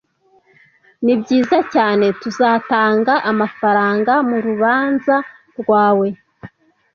Nibyiza cyane, tuzatanga amafaranga murubanza rwawe.